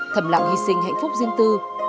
thầm lặng hy sinh hạnh phúc riêng tư